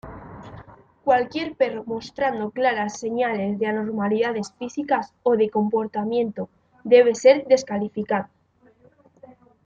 Cualquier perro mostrando claras señales de anormalidades físicas o de comportamiento debe ser descalificado.